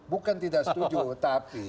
bukan tidak setuju tapi